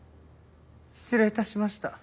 失礼致しました。